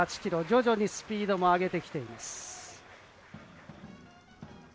徐々にスピードを上げてきています。